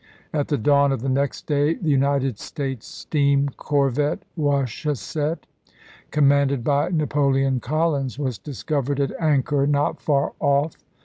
At the dawn of the next day the United States steam cor vette Wachusett, commanded by Napoleon Collins, was discovered at anchor not far off.